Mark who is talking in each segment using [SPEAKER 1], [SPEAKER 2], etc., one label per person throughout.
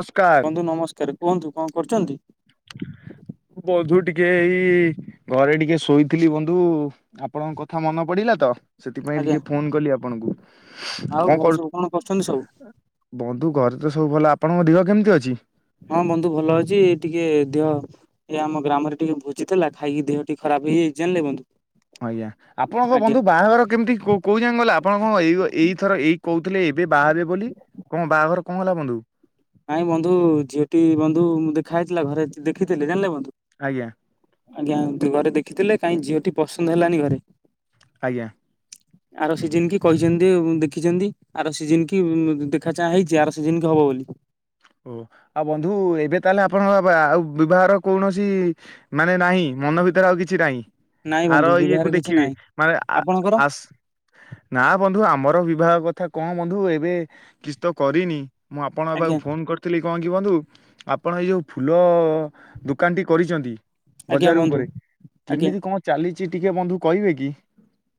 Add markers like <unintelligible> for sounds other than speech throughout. [SPEAKER 1] ନମସ୍କାର।
[SPEAKER 2] ସାରେ କୁହନ୍ତୁ କଣ କରୁଛନ୍ତି?
[SPEAKER 1] ବନ୍ଧୁ ଟିକେ ଏଇ-ଇ-ଇ-ଇ ଘରେ ଟିକେ ଶୋଇଥିଲି ବନ୍ଧୁ-ଉ-ଉ ଆପଣଙ୍କ କଥା ମନେ ପଡ଼ି ପିଲା ତ ସେଥିପାଇଁ
[SPEAKER 2] ଆଜ୍ଞା
[SPEAKER 1] ଟିକେ ଫୋନ କଲି ଆପଣଙ୍କୁ।
[SPEAKER 2] ଆଉ
[SPEAKER 1] କଣ
[SPEAKER 2] ଘର
[SPEAKER 1] କରୁ,
[SPEAKER 2] ସବୁ କଣ କରୁଛନ୍ତି ସବୁ?
[SPEAKER 1] ବନ୍ଧୁ ଘରେ ତ ସବୁ ଭଲ ଆପ ଆପଣଙ୍କ ଦେହ କେମିତି ଅଛି?
[SPEAKER 2] ହଁ ବନ୍ଧୁ ଭଲ ଅଛି ଟିକେ ଦେହ ଏ ଆମ ଗ୍ରାମରେ ଟିକେ ଭୋଜି ଥିଲା ଖାଇକି ଦେହ ଟିକେ ଖରାପ ରାପ ହେଇଯାଇଛି ଜାଣିଲେ ବନ୍ଧୁ।
[SPEAKER 1] ଆଜ୍ଞା ଆପଣଙ୍କ
[SPEAKER 2] ଆଜ୍ଞା
[SPEAKER 1] ବନ୍ଧୁ ବାହାଘର କେମିତି କୋ କୋଉ ଯାଏ ଗଲା ଆପଣଙ୍କ ଏଇ ଏଇଥର ଏଇ କହୁଥିଲେ ଏ ଏବେ ବାହାହେବେ ବୋଲି କଣ ବାହାଘର କଣ ହେଲା ବନ୍ଧୁ?
[SPEAKER 2] ନାଇଁ ବନ୍ଧୁ ଝିଅଟି ବନ୍ଧୁ ଦେଖା ହେଇଥିଲା ଘରେ ଦେଖିଥିଲେ ଜାଣିଲେ ବନ୍ଧୁ
[SPEAKER 1] ଆଜ୍ଞା।
[SPEAKER 2] ଆଜ୍ଞା ଘରେ ଦେଖିଥିଲେ କାହିଁ ଝିଅଟି ପସନ୍ଦ ହେଲାନି ଘରେ।
[SPEAKER 1] ଆଜ୍ଞା।
[SPEAKER 2] ଆର ସିଜିନ କି କହିଛନ୍ତି ଉ ଦେଖିଛନ୍ତି ଆର ସିଜିନ କି ଉ-ଉ-ଉ ଦେଖା ଚାହା ହେଇଛି ଆର ସିଜିନ କି ହବ। <unintelligible>
[SPEAKER 1] ଓ ଆଉ ବନ୍ଧୁ ଏବେ ତାହେଲେ ଆପଣଙ୍କ ବା ଆଉ ବିବାହର କୌଣସି ମାନେ ଏବେ ନାହିଁ ମନ ଭିତରେ ଆଉ କିଛି ନାହିଁ।
[SPEAKER 2] ନାଇଁ
[SPEAKER 1] ଆର
[SPEAKER 2] ବନ୍ଧୁ
[SPEAKER 1] ଇଏ କୁ
[SPEAKER 2] ବିବାହରେ କିଛି
[SPEAKER 1] ଦେଖିବେ
[SPEAKER 2] ନାହିଁ
[SPEAKER 1] ମାନେ
[SPEAKER 2] ଆପଣଙ୍କର?
[SPEAKER 1] ଆସ ନା ବନ୍ଧୁ ଆମର ବିବାହ କଥା କଣ ବନ୍ଧୁ ଏବେ କିଛି ତ କରିନି ମୁଁ ଆପଣଙ୍କ
[SPEAKER 2] ଆଜ୍ଞା
[SPEAKER 1] ପାଖକୁ ଭାବୁଥିଲି କଣ କି ବନ୍ଧୁ ଆପଣ ଏ ଯୋଉ ଫୁଲ ଦୋକାନଟି କରିଛନ୍ତି
[SPEAKER 2] ଆଜ୍ଞା
[SPEAKER 1] ବଜାର
[SPEAKER 2] ବନ୍ଧୁ
[SPEAKER 1] ଉପରେ
[SPEAKER 2] ଆଜ୍ଞା
[SPEAKER 1] କେମିତି କଣ ଚାଲିଛି ଟିକେ ବନ୍ଧୁ କହିବେ କି?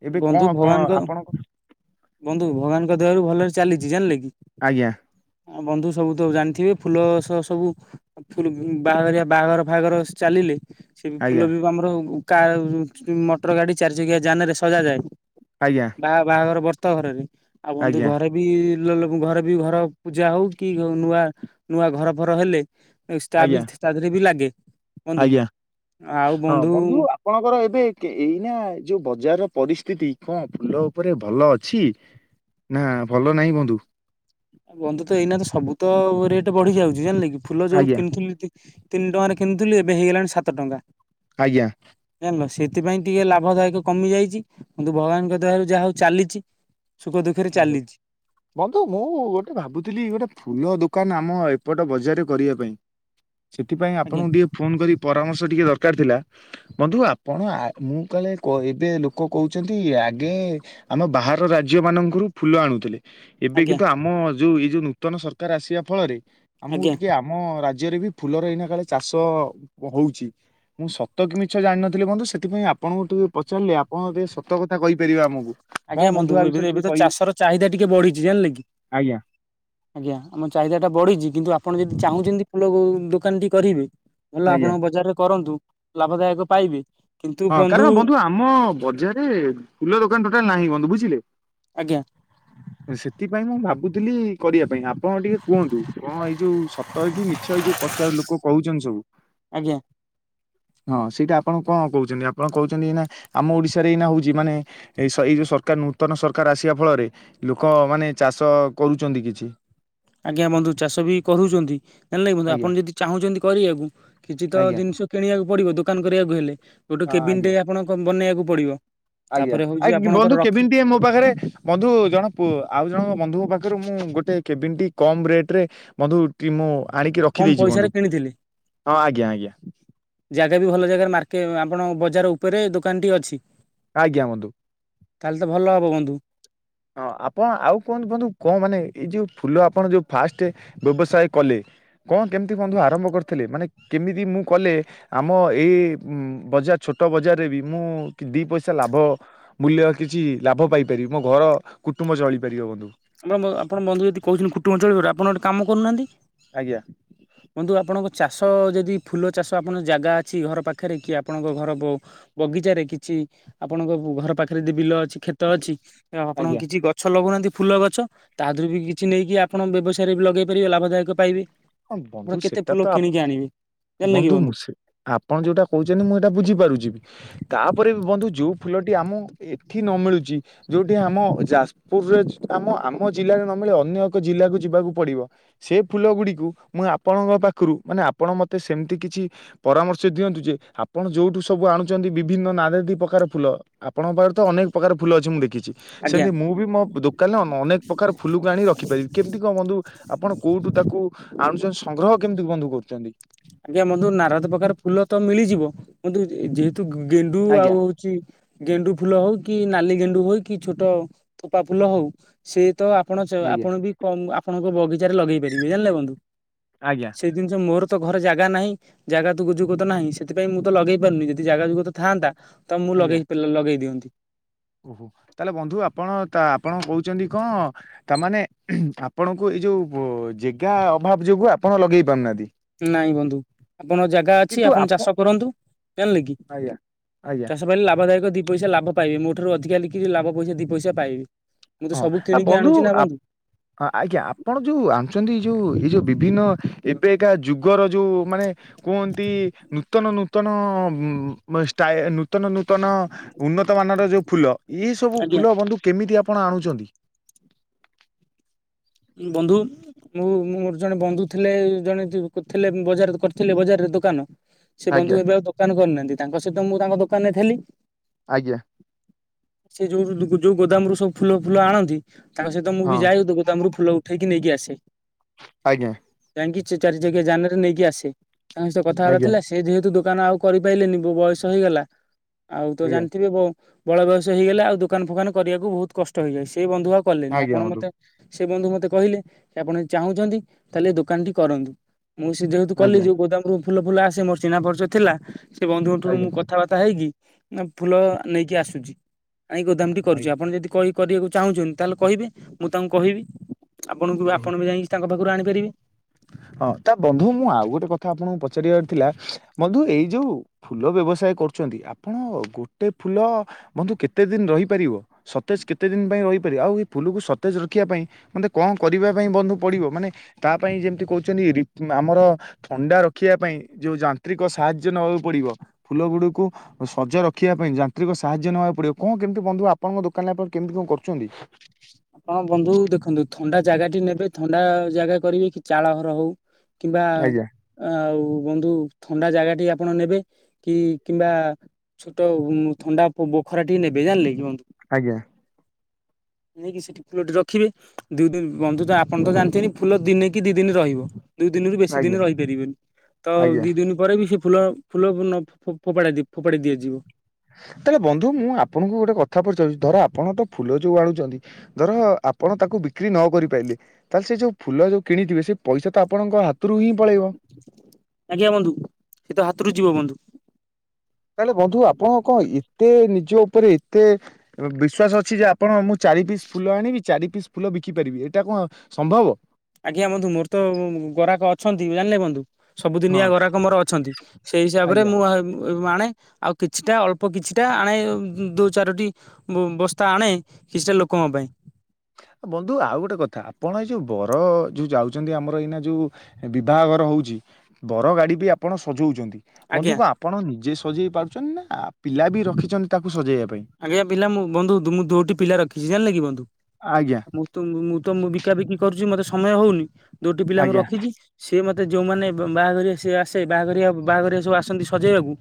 [SPEAKER 1] ଏବେ କଣ
[SPEAKER 2] ବନ୍ଧୁ
[SPEAKER 1] କଣ
[SPEAKER 2] ଭଗବାନଙ୍କ
[SPEAKER 1] ଆପଣଙ୍କ
[SPEAKER 2] ବନ୍ଧୁ ଭଗବାନଙ୍କ ଦୟାରୁ ଭଲରେ ଚାଲିଛି ଜାଣିଲେ କି।
[SPEAKER 1] ଆଜ୍ଞା
[SPEAKER 2] ହଁ ବନ୍ଧୁ ସବୁ ତ ଜାଣିଥିବେ ଫୁ ଫୁଲ ସ ସବୁ ଫୁଲ ବାଘରିଆ ବାହାଘର ଫାହାଘର ଚାଲିଲେ ସେ ବି ଫୁଲ
[SPEAKER 1] ଆଜ୍ଞା
[SPEAKER 2] ବି ଆମର କା ମଟର ଗାଡି ଚାରି ଚକିଆ ଯାନ ରେ ସଜା ଯାଏ।
[SPEAKER 1] ଆଜ୍ଞା
[SPEAKER 2] ବାହା ବାହାଘର ବର୍ତ ଘରରେ ଆଉ ବନ୍ଧୁ
[SPEAKER 1] ଆଜ୍ଞା
[SPEAKER 2] ଘରେ ବି ଫୁଲ ଲୋକ ଘରେ ବି ଘର ପୂଜା ହଉ କି ନୂଆ ନୂଆ ଘର ଫର ହେଲେ
[SPEAKER 1] ଆଜ୍ଞା
[SPEAKER 2] <unintelligible> ତାଦେହରେ ବି ଲାଗେ। ବନ୍ଧୁ
[SPEAKER 1] ଆଜ୍ଞା ହଁ ବନ୍ଧୁ ଆପଣଙ୍କର ଏବେ କେ ଏଇନା ଯୋଉ ବଜାର ପରିସ୍ଥିତି କଣ ଫୁଲ ଉପରେ ଭଲ ଅଛି ନା ଭଲ ନାହିଁ ବନ୍ଧୁ।
[SPEAKER 2] ଆ ବନ୍ଧୁ ତ ଏଇନାତ ସବୁ ତ ରେଟ ବଢି ଯାଉଛି ଜାଣିଲେ କି ଫୁଲ ଯୋଉ
[SPEAKER 1] ଆଜ୍ଞା
[SPEAKER 2] କିଣିଥିଲି ତିନି ଟଙ୍କାରେ କିଣିୁଥିଲି ଏବେ ହେଇଗଲାଣି ସାତ ଟଙ୍କା।
[SPEAKER 1] ଆଜ୍ଞା।
[SPEAKER 2] ଜାଣିଲ ସେଥିପାଇଁ ଟିକେ ଲାଭ ଦାୟକ କମି ଯାଇଛି କିନ୍ତୁ ଭଗବାନଙ୍କ ଦୟାରୁ ଯାହା ହଉ ଚାଲିଛି। ସୁଖ ଦୁଃଖରେ ଚାଲିଛି
[SPEAKER 1] ବନ୍ଧୁ ମୁଁ ଗୋ - ଭାବୁଥିଲି ଗୋଟେ ଫୁଲ ଦୋକାନ ଆମ ଏପଟ ବଜାରରେ କରିବା ପାଇଁ। ସେଥିପାଇଁ
[SPEAKER 2] ଆଜ୍ଞା
[SPEAKER 1] ଆପଣଙ୍କୁ ଟିକେ ଫୋନ କରି ପରାମର୍ଶ ଟିକେ ଦରକାର। ଦରକାରେ ଥିଲା। ବନ୍ଧୁ ଆପଣ ମୁଁ କାଳେ କହିବେ ଲୋକ କହୁଛନ୍ତି ଆଗେ ଆମ ବାହାର ରାଜ୍ୟ ମାନଙ୍କୁ ପାଖରୁ ଫୁଲ ଆଣୁଥିଲେ ଏବେ
[SPEAKER 2] ଆଜ୍ଞା
[SPEAKER 1] କିନ୍ତୁ ଆମ ଯୋଉ ଏଇ ଯୋଉ ନୂତନ ସରକାର ଆସିବା ଫଳରେ ଆ ମୁଁ
[SPEAKER 2] ଆଜ୍ଞା
[SPEAKER 1] ଟିକେ ଆମ ରାଜ୍ୟ ରାଜ୍ୟରେ ବି ଫୁଲର ଏଇନା କାଳେ ଚାଷ ହଉଛି। ମୁଁ ସତ କି ମିଛ ଜାଣିିନଥିଲି ବନ୍ଧୁ ସେଥିପାଇଁ ଆପଣଙ୍କୁ ଟିକେ ପଚାରିଲେ ଆପଣ ଟିକେ ସତ କଥା କହିପାରିବେ ଆମକୁ। କଣ
[SPEAKER 2] ଆଜ୍ଞା ବନ୍ଧୁ
[SPEAKER 1] ଆ
[SPEAKER 2] ଏବେ
[SPEAKER 1] ବିଷୟରେ
[SPEAKER 2] ତ ଏବେ
[SPEAKER 1] ଟିକେ
[SPEAKER 2] ତ
[SPEAKER 1] କହିବେ
[SPEAKER 2] ଚାଷର ଚାହିଦା ଟିକେ ବଢିଛି ଜାଣିଲେ କି?
[SPEAKER 1] ଆଜ୍ଞା
[SPEAKER 2] ଆଜ୍ଞା ଆମ ଚାହିଦା ଟା ବଢିଛି କିନ୍ତୁ ଆପଣ ଯଦି ଚାହୁଁଛନ୍ତି ଫୁଲକୁ ଦୋକାନଟି କରିବେ ଭଲ
[SPEAKER 1] ଆଜ୍ଞା।
[SPEAKER 2] ଆପଣ ବଜାରରେ କରନ୍ତୁ। ଲାଭଦାୟକ ପାଇବେ।
[SPEAKER 1] ହଁ କାରଣ ବନ୍ଧୁ ଆମ ବଜାରରେ ଫୁଲ ଦୋକାନ ଟୋଟାଲ ନାହିଁ ବନ୍ଧୁ ବୁଝିଲେ।
[SPEAKER 2] ଆଜ୍ଞା
[SPEAKER 1] ସେଥିପାଇଁ ମୁଁ ଭାବୁଥିଲି କରିବା ପାଇଁ ଆପଣ ଟିକେ କୁହନ୍ତୁ। କଣ ଏଇ ଯୋଉ ସତ କି ମିଛ ଏଇ ଯୋଉ ପଚାର ଲୋକ କହୁଛନ୍ତି ସବୁ
[SPEAKER 2] ଆଜ୍ଞା
[SPEAKER 1] ହଁ ସେଇଟା ଆପଣ କଣ ଆପଣ କହୁଛନ୍ତି ଏଇ ଆମ ଓଡିଶାରେ ଏଇନା ହଉଛି ମାନେ ଏ ଏଇ ଯୋଉ ସରକାର ନୂତନ ସରକାର ଆସିବା ଫଳରେ ଲୋକ ମାନେ ଚାଷ କରୁଛନ୍ତି କିଛି।
[SPEAKER 2] ଜାଣିଲେକି ବନ୍ଧୁ
[SPEAKER 1] ଆଜ୍ଞା
[SPEAKER 2] ଆପଣ ଯଦି ଚାହୁଁଛନ୍ତି କରିବାକୁ କିଛି ତ
[SPEAKER 1] ଆଜ୍ଞା
[SPEAKER 2] ଜିନିଷ କିଣିବାକୁ ପଡିବ ଦୋକାନ କରିବାକୁ ହେଲେ। ଗୋଟେ
[SPEAKER 1] ହଁ
[SPEAKER 2] କେବିନ
[SPEAKER 1] ଆଜ୍ଞା।
[SPEAKER 2] ଟିଏ ଆପଣକୁ ବନେଇବାକୁ ପଡିବ।
[SPEAKER 1] ଆଜ୍ଞା
[SPEAKER 2] ତାପରେ ହଉଛି
[SPEAKER 1] ଆଜ
[SPEAKER 2] ଆପଣଙ୍କର
[SPEAKER 1] ବନ୍ଧୁ
[SPEAKER 2] ରଖି
[SPEAKER 1] କେମିତି ମୋ ପାଖରେ ବନ୍ଧୁ ଜଣ ଆଉ ଜଣ ବନ୍ଧୁଙ୍କ ପାଖରୁ ମୁଁ ଗୋଟେ କେବିନଟି କମ୍ ରେଟରେ ମଧୁ କି ମୁଁ ଆଣିକି
[SPEAKER 2] କମ
[SPEAKER 1] ରଖିଦେଇଛି
[SPEAKER 2] ପଇସାରେ
[SPEAKER 1] ବନ୍ଧୁ
[SPEAKER 2] କିଣିଥିଲି।
[SPEAKER 1] ହଁ ଆଜ୍ଞା ଆଜ୍ଞା।
[SPEAKER 2] ଜାଗା ବି ଭଲ ଜାଗାରେ ମାର୍କେ ଆପଣଙ୍କ ବଜାର ଉପରେ ଦୋକାନ ଟି ଅଛି।
[SPEAKER 1] ଆଜ୍ଞା ବନ୍ଧୁ।
[SPEAKER 2] ତାହେଲେ ତ ଭଲ ହବ ବନ୍ଧୁ।
[SPEAKER 1] ହଁ ଆପଣ ଆଉ କୁହନ୍ତୁ ବନ୍ଧୁ କଣ ମାନେ ଏଇ ଯୋଉ ଫୁଲ ଆପଣ ଯୋଉ ଫାଷ୍ଟ ବ୍ୟବସାୟ କଲେ କଣ କେମିତି ବନ୍ଧୁ ଆରମ୍ଭ କରିଥିଲେ ମାନେ କେମିତି ମୁଁ କଲେ ଆମ ଏଇ ଉଁ ବଜାର ଛୋଟ ବଜାରରେ ବି ମୁଁ ଦୁଇ ପଇସା ଲାଭ ମୂଲ୍ୟ କିଛି ଲାଭ ପାଇପାରିବି ମୋ ଘର କୁଟୁମ୍ବ ଚଳିପାରିବ ବନ୍ଧୁ।
[SPEAKER 2] ଆମର ଆପଣ ବନ୍ଧୁ ଯଦି କହୁଛନ୍ତି କୁଟୁମ୍ଭ ଚଳିବ, ଆପଣ ଗୋଟ କାମ କରୁନାହାନ୍ତି।
[SPEAKER 1] ଆଜ୍ଞା
[SPEAKER 2] ବନ୍ଧୁ ଆପଣଙ୍କ ଚାଷ ଯଦି ଫୁଲ ଚାଷ ଆପଣଙ୍କ ଜାଗା ଅଛି, ଘର ପାଖରେ କି ଆପଣଙ୍କ ଘର ବଗିଚାରେ କିଛି ଆପଣଙ୍କ ଘର ପାଖରେ ଯଦି ବିଲ ଅଛି କ୍ଷେତ ଅଛି, ଆଉ ଆପଣଙ୍କ
[SPEAKER 1] ଆଜ୍ଞା
[SPEAKER 2] କିଛି ଗଛ ଲଗଉନାହାନ୍ତି ଫୁଲ ଗଛ ତା ଦେହରୁ ବି କିଛି ନେଇକି ଆପଣ ବ୍ୟବସାୟରେ ବି ଲଗେଇ ପାରିବେ ଲାଭଦାୟକ ପାଇବେ।
[SPEAKER 1] ହଁ ବନ୍ଧୁ
[SPEAKER 2] ଆପଣ କେତେ
[SPEAKER 1] ସେଟା ତ
[SPEAKER 2] ଫୁଲ କିଣିକି ଆଣିବେ? ଜାଣିଲେ କି
[SPEAKER 1] ବନ୍ଧୁ ମୁଁ ସେ ଆପଣ ଯୋଉଟା କହୁଛନ୍ତି ମୁଁ ଏଇଟା ବୁଝିପାରୁଛି ବି, ତାପରେ ବି ବନ୍ଧୁ ଯୋଉ ଫୁଲଟି ଆମ ଏଠି ନ ମିଳୁଛି ଯୋଉଠି ଆମ ଯାଜପୁରରେ ଆମ ଆମ ଜିଲ୍ଲାରେ ନମିଳେ, ଅ ଅନ୍ୟ ଏକ ଜିଲ୍ଲାକୁ ଯିବାକୁ ପଡ଼ିବ। ସେ ଫୁଲ ଗୁଡ଼ିକୁ ମୁଁ ଆପଣଙ୍କ ପାଖରୁ ମାନେ ଆପଣ ମତେ ସେମିତି କିଛି ପରାମର୍ଶ ଦିଅନ୍ତୁ ଯେ, ଆପଣ ଯୋଉଠୁ ସବୁ ସବୁ ଆଣୁଛନ୍ତି ବିଭିନ୍ନ ନାନାଦି ପ୍ରକାର ଫୁଲ। ଆପଣଙ୍କ ପାଖରେ ତ ଅନେକ ପ୍ରକାର ଫୁଲ ଅଛି ମୁଁ ଦେଖି ଛି।
[SPEAKER 2] ଆଜ୍ଞା।
[SPEAKER 1] ସେମତି ମୁଁ ବି ମୋ ଦୋକାନରେ ଅନେକ ପ୍ରକାର ଫୁଲକୁ ଆଣି ରଖିପାରିବି କେମିତି କଣ ବନ୍ଧୁ ଆପଣ କୋଉ ଠୁ ତାକୁ ଆଣୁଛନ୍ତି ସଂଗ୍ରହ କେମିତି ବନ୍ଧୁ କରୁଛନ୍ତି?
[SPEAKER 2] ଆଜ୍ଞା ବନ୍ଧୁ ନାରଦ ପ୍ରକାର ଫୁଲ ତ ମିଳିଯିବ କିନ୍ତୁ ଯେହେ ତୁ ଗେଣ୍ଡୁ
[SPEAKER 1] ଆଜ୍ଞା।
[SPEAKER 2] ଆଉ ହଉଛି ଗେଣ୍ଡୁ ଫୁଲ ହଉ କି ନାଲି ଗେଣ୍ଡୁ ହଉ କି ଛୋଟ ତୋପା ଫୁଲ ହଉ ସେ ତ ଆପଣ
[SPEAKER 1] ଆଜ୍ଞା।
[SPEAKER 2] ଆପଣ ବି କମ୍ ଆପ ଆପଣଙ୍କ ବଗିଚାରେ ଲଗେଇ ପାରିବେ ଜାଣିଲେ ବନ୍ଧୁ।
[SPEAKER 1] ଆଜ୍ଞା
[SPEAKER 2] ସେ ଜିନିଷ ମୋର ତ ଘରେ ଜାଗା ନାହିଁ ଜାଗା ତୁଗ ଯୁଗ ତ ନାହିଁ, ସେଥିପାଇଁ ମୁଁ ତ ଲଗେଇ ପାରୁନି ଯଦି ଜାଗା ଯୁଗତ ଥାନ୍ତା ତ ମୁଁ ଲଗେଇ ଲଗେଇ ଦିଅନ୍ତି।
[SPEAKER 1] ଓ ହୋ ତାହେଲେ ବନ୍ଧୁ ଆପଣ ଆପଣ କହୁଛନ୍ତି କଣ, ତାମାନେ ଆପଣଙ୍କୁ ଏଇ ଯୋଉ ଜେଗା ଅଭାବ ଯୋଗୁ ଆପଣ ଲଗେଇ ପାରୁନାହାନ୍ତି?
[SPEAKER 2] ନାଇଁ ବନ୍ଧୁ ଆପଣ ଜାଗା ଅଛି ଆପଣ ଚାଷ କରନ୍ତୁ ଜାଣିଲେ କି।
[SPEAKER 1] ଆଜ୍ଞା ଆଜ୍ଞା
[SPEAKER 2] ଚାଷ ପାଇଲେ ଲାଭଦାୟକ ଦି ପଇସା ଲାଭ ପାଇବେ, ମୋ ଠାରୁ ଅଧିକା ବିକିକି ଲାଭ ପଇସା ଦି ପଇସା ପାଇବି।
[SPEAKER 1] ହଁ ଆ ବନ୍ଧୁ ଆପ ହଁ ଆଜ୍ଞା ଆପଣ ଯୋଉ ଆଣୁଛନ୍ତି ଏଇ ଯୋଉ ଏଇ ଯୋଉ ବିଭିନ୍ନ ଏବେ କା ଯୁଗର ଯୋଉ ମାନେ କୁହନ୍ତି ନୂତନ ନୂତନ ନୂତନ ଷ୍ଟା ନୂତନ ଉନ୍ନତ ମାନର ଯୋଉ ଫୁଲ ଏ ସବୁ
[SPEAKER 2] ଆଜ୍ଞା।
[SPEAKER 1] ଫୁ ଲ ବନ୍ଧୁ କେମିତି ଆପଣ ଆଣୁଛନ୍ତି?
[SPEAKER 2] ବନ୍ଧୁ। ମୁଁ ମୁଁ ମୋର ଜଣେ ବନ୍ଧୁ ଥିଲେ ଜଣେ ଥିଲେ ବଜାର କରିଥିଲେ ବଜାରରେ ଦୋକାନ ସେ
[SPEAKER 1] ଆଜ୍ଞା
[SPEAKER 2] ବନ୍ଧୁ ଏବେ ଆଉ ଦୋକାନ କରିନାହାନ୍ତି। ତାଙ୍କ ସହିତ ମୁଁ ତାଙ୍କ ଦୋକାନରେ ଥେଲି।
[SPEAKER 1] ଆଜ୍ଞା।
[SPEAKER 2] ସେ ଯୋଉ ଯୋଉ ଗୋଦାମରୁ ସବୁ ଫୁଲ ଫୁଲ ଆଣନ୍ତି, ତାଙ୍କ ସହିତ ମୁଁ
[SPEAKER 1] ହଁ
[SPEAKER 2] ବି ଯାଏ ଦୋ ଫୁଲ ଉଠେଇକି ନେଇକି ଆସେ।
[SPEAKER 1] ଆଜ୍ଞା।
[SPEAKER 2] ଆଣିକି ଚାରି ଚକିଆ ଯାନରେ ନେଇକି ଆସେ। ତାଙ୍କ ସହ କଥାବାର୍ତ୍ତା
[SPEAKER 1] ଆଜ୍ଞା
[SPEAKER 2] ଥିଲା ସେ ଯେହେତୁ ଦୋ ଦୋକାନ ଆଉ କରିପାଇଲେନି ବ ବୟସ ହେଇଗଲା। ଆଉ ତ
[SPEAKER 1] ଆଜ୍ଞା।
[SPEAKER 2] ଜାଣିଥିବେ ବ ବଳ ବୟସ ହେଇଗଲେ ଆଉ ଦୋକାନ ଫୋକାନ କରିବାକୁ ବହୁତ କଷ୍ଟ ହେଇଯାଏ। ସେ ବନ୍ଧୁ ଆଉ କଲେନି
[SPEAKER 1] ଆଜ୍ଞା
[SPEAKER 2] ଆପଣ
[SPEAKER 1] ବନ୍ଧୁ
[SPEAKER 2] ମତେ ସେ ବନ୍ଧୁ ମତେ କହିଲେ ଆପଣ ଚାହୁଁଛନ୍ତି ତାହେଲେ ଏ ଦୋକାନ ଟି କରନ୍ତୁ। ମୁଁ ସେ ଯେହେତୁ କଲି
[SPEAKER 1] ଆଜ୍ଞା
[SPEAKER 2] ଯୋଉ ଗୋଦାମରୁ ଫୁଲ ଫୁଲ ଆସେ, ମୋର ଚିହ୍ନାପରିଚ ଥିଲା ସେ ବନ୍ଧୁଙ୍କଠରୁ
[SPEAKER 1] ଆଜ୍ଞା
[SPEAKER 2] ମୁଁ କଥାବାର୍ତ୍ତା ହେଇକି ଫୁଲ ନେଇକି ଆସୁଛି। ଏଇ ଗୋଦାମଟି କରୁଛି,
[SPEAKER 1] ଆଜ୍ଞା
[SPEAKER 2] ଆପଣ ଯଦି କହି କରିବାକୁ ଚାହୁଁଛନ୍ତି ତାହେଲେ କହିବେ ମୁଁ ତାଙ୍କୁ କହିବି। ଆପଣଙ୍କୁ ଆପଣ ବି ଯାଇକି ତାଙ୍କ ପାଖରୁ ଆଣିପାରିବେ।
[SPEAKER 1] ହଁ ତା ବନ୍ଧୁ ମୁଁ ଆଉ ଗୋଟେ କଥା ଆପଣଙ୍କୁ ପଚାରିବାର ଥିଲା ବନ୍ଧୁ ଏଇ ଯୋଉ ଫୁଲ ବ୍ୟବସାୟ କରୁଛନ୍ତି, ଆପଣ ଗୋଟେ ଫୁଲ ବନ୍ଧୁ କେତେଦିନ ରହିପାରିବ? ସତେଜ୍ କେତେଦିନ ପାଇଁ ରହିପାରିବ? ଆଉ ଏ ଫୁଲ କୁ ସତେଜ ରଖିବା ପାଇଁ କଣ କରିବା ପାଇଁ ବନ୍ଧୁ ପଡିବ? ମାନେ ତା ପାଇଁ ଯେମିତି କହୁଛନ୍ତି, ରି ଆମର ଥଣ୍ଡା ରଖିବା ପାଇଁ ଯୋଉ ଯାନ୍ତ୍ରିକ ସାହାଯ୍ୟ ନ ନବାକୁ ପଡିବ ଫୁଲ ଗୁଡିକୁ ସଜ ରଖିବା ପାଇଁ ଯାନ୍ତ୍ରିକ ସାହାଯ୍ୟ ନବାକୁ ପଡିବ କଣ କେମିତି ବନ୍ଧୁ ଆପଣଙ୍କ ଦୋକା ଦୋକାନ ଆପଣ କେମିତି କଣ କରୁଛନ୍ତି?
[SPEAKER 2] ହଁ ବନ୍ଧୁ ଦେଖନ୍ତୁ ଥଣ୍ଡା ଜାଗା ଟି ନେବେ ଥଣ୍ଡା ଜାଗା କରିବେ କି ଚାଳ ଘର ହଉ। କିମ୍ବା
[SPEAKER 1] ଆଜ୍ଞା
[SPEAKER 2] ଆଉ ବନ୍ଧୁ ଥଣ୍ଡା ଜାଗାଟି ଆପଣ ନେବେ କି କିମ୍ବା ଛୋଟ ଥଣ୍ଡା ଖରାଟିଏ ନେବେ ଜାଣିଲେ କି ବ
[SPEAKER 1] ଆଜ୍ଞା।
[SPEAKER 2] ନେଇକି ସେଠି ଫୁଲଟି ରଖିବେ ଦୁଇ ଦିନ ବନ୍ଧୁ ତ ଆପଣ ତ ଜାଣିଛନ୍ତି ଫୁଲ ଦିନେ କି ଦି ଦିନ ରହିବ। ଦୁଇ ଦିନରୁ ବେଶୀ
[SPEAKER 1] ଆଜ୍ଞା
[SPEAKER 2] ଦିନ ରହିପାରିବେନି ତ
[SPEAKER 1] ଆଜ୍ଞା
[SPEAKER 2] ଦିଇ ଦିନ ପରେ ବି ସେ ଫୁଲ ଫୁଲ କୁ ନ ଫୋ-ଫୋପାଡା ଦି ଫୋପାଡ଼ି ଦିଆଯିବ।
[SPEAKER 1] ତାହେଲେ ବନ୍ଧୁ ମୁଁ ଆପଣଙ୍କୁ ଗୋଟେ କଥା ପଚାରୁଚି ଧର ଆପଣ ତ ଫୁଲ ଯୋଉ ଆଣୁଚନ୍ତି ଧର ଆପଣ ତାକୁ ବିକ୍ରି ନ କରି ପାଇଲେ ତାହେଲେ ସେ ଯୋଉ ଫୁଲ ଯୋଉ କିଣିଥିବେ ସେ ପଇସା ତ ଆପଣଙ୍କ ହାତରୁ ହିଁ ପଳେଇବ
[SPEAKER 2] ଆଜ୍ଞା ବନ୍ଧୁ ସେ ତ ହାତରୁ ଯିବ ବନ୍ଧୁ।
[SPEAKER 1] ତାହେଲେ ବନ୍ଧୁ ଆପଣ କଣ ଏତେ ନିଜ ଉପରେ ଏତେ ବିଶ୍ଵାସ ଅଛି ଯେ ଆପଣ ମୁଁ ଚା ଚାରି ପିସ୍ ଫୁଲ ଆଣିବି ଚାରି ପିସ୍ ଫୁଲ ବିକି ପାରିବି ଏଇଟା କଣ ସମ୍ଭବ?
[SPEAKER 2] ଆଜ୍ଞା ବନ୍ଧୁ ମୋର ତ ଗରାଖ ଅଛନ୍ତି ଜାଣିଲେ ବନ୍ଧୁ।
[SPEAKER 1] ହଁ
[SPEAKER 2] ସବୁଦିନିଆ ଗରାଖ ମୋର ଅଛନ୍ତି ସେଇ ହିସାବରେ
[SPEAKER 1] ଆଜ୍ଞା।
[SPEAKER 2] ମୁଁ ମୁଁ ଆଣେ ଆଉ କିଛିଟା ଅଳ୍ପ କିଛିଟା ଆଣେ ଦୁଇ ଚାରୋଟି ବସ୍ତା ଆଣେ କଛିଟା ଲୋକଙ୍କ ପାଇଁ।
[SPEAKER 1] ବନ୍ଧୁ ଆଉ ଗୋଟେ କଥା ଆପଣ ଏଇ ଯୋଉ ବର ଯୋଉ ଯାଉଚନ୍ତି ଆମର ଏଇନା ଯୋଉ ବିବାହଘର ହ ଉଚି ବର ଗାଡ଼ି ବି ଆପଣ ସଜଉଚନ୍ତି। ବନ୍ଧୁ
[SPEAKER 2] ଆଜ୍ଞା
[SPEAKER 1] ଙ୍କ ଆପଣ ନିଜେ ସଜେଇ ପାରୁଚନ୍ତି ନା ପିଲା ବି ରଖିଚନ୍ତି ତାକୁ ସଜେଇବା ପାଇଁ?
[SPEAKER 2] ଆଜ୍ଞା ପିଲା ମୁଁ ବନ୍ଧୁ ମୁଁ ଦୋଟି ପିଲା ରଖିଛି ଜାଣିଲେ କି ବନ୍ଧୁ
[SPEAKER 1] ଆଜ୍ଞା
[SPEAKER 2] ମୁଁ ତ ମୁଁ ତ ମୁଁ ବିକା ବିକି କରୁଚି ମତେ ସମୟ ହଉନି। ଦୁଇଟି ପିଲା ମୁଁ
[SPEAKER 1] ଆଜ୍ଞା
[SPEAKER 2] ରଖିଚି ସେ ମ ତେ ଯୋଉମାନେ ବାହାଘରିଆ ସିଏ ଆସେ ବାହାଘରିଆ ବାହାଘରିଆ ସବୁ ଆସନ୍ତି ସଜେଇବାକୁ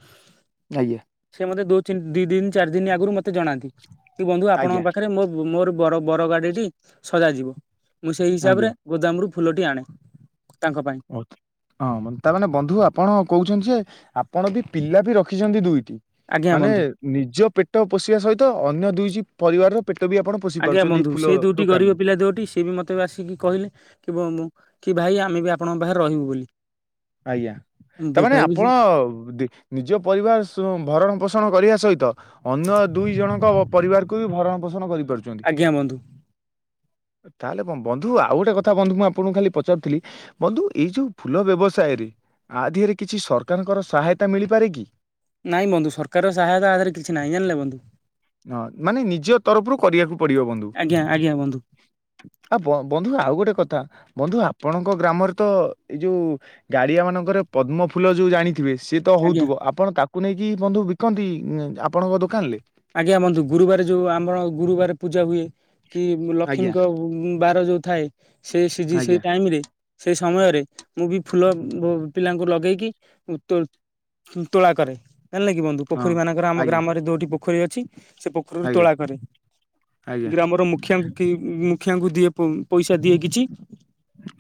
[SPEAKER 1] ଆଜ୍ଞା।
[SPEAKER 2] ମୋତେ ଦୋ ଚିନି ଦି ଦିନି ଚାରି ଦିନ ଆଗରୁ ମତେ ଜଣାନ୍ତି କି ବନ୍ଧୁ ଆପଙ୍କ
[SPEAKER 1] ଆଜ୍ଞା
[SPEAKER 2] ପାଖରେ ମୋ-ମୋର ବର-ବର ଗାଡ଼ିଟି ସଜା ଯିବ ମୁଁ ସେଇ
[SPEAKER 1] ଆଜ୍ଞା
[SPEAKER 2] ହିସାବରେ ଗୋଦାମରୁ ଫୁଲଟି ଆଣେ। ତାଙ୍କ ପାଇଁ
[SPEAKER 1] ହଁ ତା ମାନେ ବନ୍ଧୁ ଆପଣ କହୁଛନ୍ତି ଯେ ଆ ଆପଣ ବି ପିଲା ବି ରଖିଚନ୍ତି ଦୁଇଟି
[SPEAKER 2] ଆଜ୍ଞା
[SPEAKER 1] ମାନେ
[SPEAKER 2] ବନ୍ଧୁ।
[SPEAKER 1] ନିଜ ପେଟ ପୋଷିବା ସହିତ ଅନ୍ୟ ଦୁଇଟି ପରିବାରର ପେଟ ବି
[SPEAKER 2] ଆଜ୍ଞା ବନ୍ଧୁ ସେ ଦୁଇଟି ଗରିବ
[SPEAKER 1] ଦୋକାନରୁ
[SPEAKER 2] ପିଲା ଦୋଟି ସିଏ ବି ମତେ ବି ଆସିକି କହିଲେ କି ଭ-ମ-ଭାଇ ଆମେ ବି ଆପଣଙ୍କ ପାଖରେ ରହିବୁ ବୋଲି।
[SPEAKER 1] ଆଜ୍ଞା ତାମାନେ
[SPEAKER 2] ବେପାରୀ ବି
[SPEAKER 1] ଆପଣ ଦି ନିଜ ପରିବାର ସ ଭରଣ ପୋଷ ଣ କରିବା ସହିତ ଅନ୍ୟ ଦୁଇ ଜଣଙ୍କ ପରିବାରକୁ ବି ଭରଣ ପୋଷଣ କରି
[SPEAKER 2] ଆଜ୍ଞା ବନ୍ଧୁ।
[SPEAKER 1] ତାହେଲେ କ ବନ୍ଧୁ ଆଉ ଗୋଟେ କଥା ବନ୍ଧୁ ମୁଁ ଆପଣଙ୍କୁ ଖାଲି ପଚାରୁଥିଲି ବନ୍ଧୁ ଏଇ ଯୋଉ ଫୁଲ ବ୍ୟବ ସାୟରେ ଆଧିରେ କିଛି ସରକାରଙ୍କର ସହାୟତା ମିଳିପାରେ କି?
[SPEAKER 2] ନାଇଁ ବନ୍ଧୁ ସରକାର ସହାୟତା ଆଧାରରେ କିଛି ନାହିଁ ଜାଣିଲେ ବନ୍ଧୁ।
[SPEAKER 1] ହଁ ମାନେ ନିଜ ତରଫରୁ କରିବାକୁ ପଡ଼ିବ ବନ୍ଧୁ।
[SPEAKER 2] ଆଜ୍ଞା ଆଜ୍ଞା ବନ୍ଧୁ
[SPEAKER 1] ଆଉ ବ-ବନ୍ଧୁ ଆଉ ଗୋଟେ କ ତା ବନ୍ଧୁ ଆପଣଙ୍କ ଗ୍ରାମରେ ତ ଏଇ ଯୋଉ ଗାଡ଼ିଆ ମାନଙ୍କରେ ପଦ୍ମ ଫୁଲ ଯୋଉ ଜାଣିଥିବେ? ସିଏ ତ
[SPEAKER 2] ଆଜ୍ଞା।
[SPEAKER 1] ହଉଥୁବ ଆପଣ ତାକୁ ନେଇକି ବନ୍ଧୁ ବିକନ୍ତି ଆପଣଙ୍କ ଦୋକାଲରେ?
[SPEAKER 2] ଆଜ୍ଞା ବନ୍ଧୁ ଗୁରୁବାର ଯେଉଁ ଆମର ଗୁରୁବାର ପୂଜା ହୁଏ କି
[SPEAKER 1] ଆଜ୍ଞା
[SPEAKER 2] ଲକ୍ଷ୍ମୀଙ୍କ ବାର ଯଉ ଥାଏ ସେ ସିଜି
[SPEAKER 1] ଆଜ୍ଞା।
[SPEAKER 2] ସେଇ ଟାଇମ ରେ ସେଇ ସମୟରେ ମୁଁ ବି ଫୁଲ ବୋ ପିଲାଙ୍କୁ ଲଗେଇକି ତୋ ତୋଳା କରେ ହେଲାକି ବନ୍ଧୁ
[SPEAKER 1] ହଁ
[SPEAKER 2] ପୋଖରୀ ମାନଙ୍କରେ ଆମ
[SPEAKER 1] ଆଜ୍ଞା
[SPEAKER 2] ଗ୍ରାମରେ ଦୋଟି ପୋଖରୀ ଅଛି। ସେ ପୋଖରୀରୁ
[SPEAKER 1] ଆଜ୍ଞା
[SPEAKER 2] ତୋଳା କରେ
[SPEAKER 1] ଆଜ୍ଞା
[SPEAKER 2] ଗ୍ରାମର ମୁଖିଆଙ୍କୁ କେହି ମୁଖିଆଙ୍କୁ ଦିଏ। ପଇସା ଦିଏ କିଛି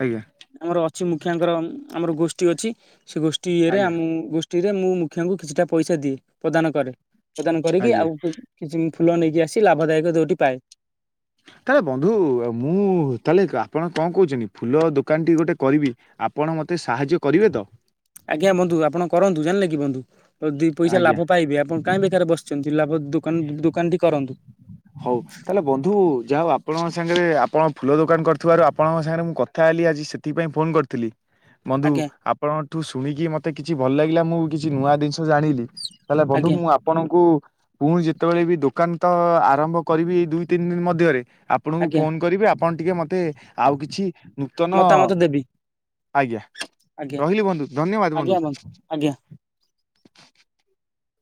[SPEAKER 1] ଆଜ୍ଞା।
[SPEAKER 2] ଆମର ଅଛି ମୁଖିଆଙ୍କର ଆମର ଗୋଷ୍ଠୀ ଅଛି ସେ ଗୋଷ୍ଠୀ ଇଏ ରେ
[SPEAKER 1] ଆଜ୍ଞା
[SPEAKER 2] ଆମ ଗୋ ଟି ରେ ମୁଁ ମୁଖିଆଙ୍କୁ କିଛିଟା ପଇସା ଦିଏ ପ୍ରଦାନ କରେ ପ୍ରଦାନ କରିକି
[SPEAKER 1] ଆଜ୍ଞା
[SPEAKER 2] ଆଉ କି କିଛି ଫୁଲ ନେଇକି ଆସି ଲାଭଦାୟକ ଦୋଟି ପାଏ।
[SPEAKER 1] ତାହେଲେ ବନ୍ଧୁ ମୁଁ ତାହେଲେ ଆପଣ କଣ କହୁଛନ୍ତି ଫୁଲ ଦୋକାନଟି ଗୋଟେ କରିବି? ଆପଣ ମୋତେ ସାହାଯ୍ୟ କରିବେ ତ?
[SPEAKER 2] ଆଜ୍ଞା ବନ୍ଧୁ ଆପଣ କରନ୍ତୁ ଜାଣିଲେ କି ବନ୍ଧୁ ଅ ଦି ପଇସା
[SPEAKER 1] ଆଜ୍ଞା
[SPEAKER 2] ଲାଭ ପାଇବେ ଆପଣ କାହିଁ ବେକରେ ବ ଛନ୍ତି ଲାଭ ଦୋକାନ ଦୋକାନଟି କରନ୍ତୁ।
[SPEAKER 1] ହଉ ତାହେଲେ ବନ୍ଧୁ ଯାହା ହଉ ଆପଣଙ୍କ ସାଙ୍ଗରେ ଆପଣ ଫୁଲ ଦୋକାନ କରିୁଥିବାରୁ ଆପଣଙ୍କ ସାଙ୍ଗରେ ମୁଁ କଥା ହେଲି ଆଜି ସେଥିପାଇଁ ଫୋନ୍ କରିଥିଲି ବନ୍ଧୁ
[SPEAKER 2] ଆଜ୍ଞା
[SPEAKER 1] ଆପଣଙ୍କଠୁ ଶୁଣିକି ମତେ କିଛି ଭଲ ଲାଗିଲା ମୁଁ କିଛି ନୂଆ ଜିନିଷ ଜାଣିଲି। ତାହେଲେ ବନ୍ଧୁ
[SPEAKER 2] ଆଜ୍ଞା
[SPEAKER 1] ମୁଁ ଆପଣଙ୍କୁ ପୁଣି ଯେତେବେଳେ ବି ଦୋକାନ ତ ଆରମ୍ଭ କରିବି ଦୁଇ ତିନି ଦିନ ମଧ୍ୟରେ ଆପଣଙ୍କୁ
[SPEAKER 2] ଆଜ୍ଞା
[SPEAKER 1] ଫୋନ କରିବି ଆପଣ ଟିକି ମତେ ମତେ ଆଉ କିଛି ନୂତନ
[SPEAKER 2] ମତାମତ ଦେବି
[SPEAKER 1] ଆଜ୍ଞା।
[SPEAKER 2] ଆଜ୍ଞା
[SPEAKER 1] ରହିଲି ବନ୍ଧୁ ଧନ୍ୟବାଦ
[SPEAKER 2] ଆଜ୍ଞା
[SPEAKER 1] ବନ୍ଧୁ।
[SPEAKER 2] ଆଜ୍ଞା।